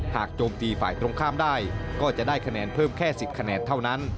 โจมตีฝ่ายตรงข้ามได้ก็จะได้คะแนนเพิ่มแค่๑๐คะแนนเท่านั้น